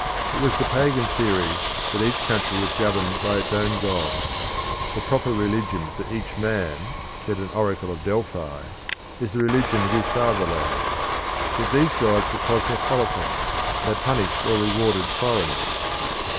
It was the pagan theory that each country was governed by its own gods. The proper religion for each man, said an oracle of Delphi, is the religion of his fatherland. Yet these gods were cosmopolitan; they punished or rewarded foreigners.